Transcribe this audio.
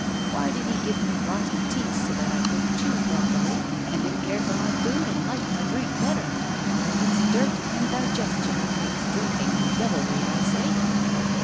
Why did He give me rotten teeth so that I couldn't chew properly and didn't care for my food and liked drink better? It's dirt and digestion makes drink ing and devilry, I say."